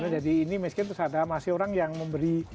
jadi ini miskin terus ada masih orang yang memberi